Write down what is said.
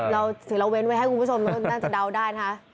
เราเสียเราเว้นไว้ให้คุณผู้ชมน่าจะเดาได้นะคะ